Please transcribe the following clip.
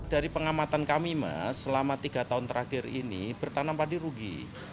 dari pengamatan kami mas selama tiga tahun terakhir ini bertanam padi rugi